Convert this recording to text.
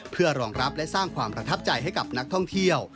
เพื่อรองรับและสร้างความประทับใจให้กับนักท่องเที่ยว